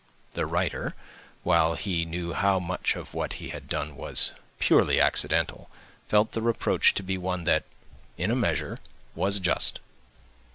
The writer, while he knew how much of what he had done was purely accidental, felt the reproach to be one that, in a measure, was just.